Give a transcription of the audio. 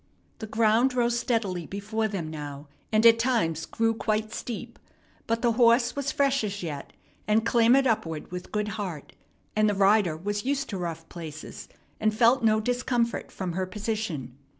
The ground rose steadily before them now, and at times grew quite steep; but the horse was fresh as yet, and clambered upward with good heart; and the rider was used to rough places, and felt no discomfort from her position.